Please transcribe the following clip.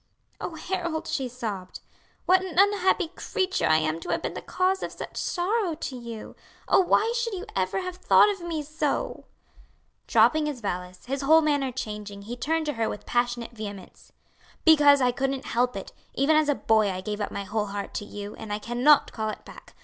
"Oh, Harold!" she sobbed, "what an unhappy creature I am to have been the cause of such sorrow to you! Oh why should you ever have thought of me so?" Dropping his valise, his whole manner changing, he turned to her with passionate vehemence. "Because I couldn't help it! Even as a boy I gave up my whole heart to you, and I cannot call it back.